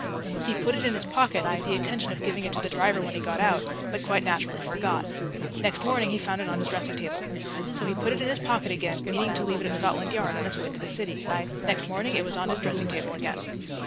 He put it in his pocket with the intention of giving it to the driver when he got out, but quite naturally forgot. Next morning he found it on his dressing table. So he put it in his pocket again, meaning to leave it at Scotland Yard on his way to the City. Next morning it was on his dressing table again.